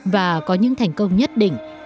và có những thành công nhất định